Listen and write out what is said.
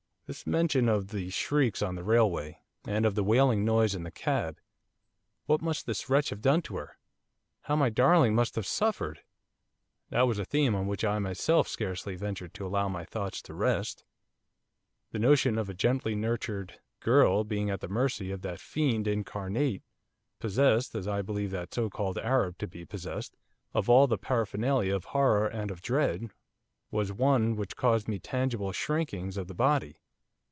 'This mention of the shrieks on the railway, and of the wailing noise in the cab, what must this wretch have done to her? How my darling must have suffered!' That was a theme on which I myself scarcely ventured to allow my thoughts to rest. The notion of a gently nurtured girl being at the mercy of that fiend incarnate, possessed as I believed that so called Arab to be possessed of all the paraphernalia of horror and of dread, was one which caused me tangible shrinkings of the body.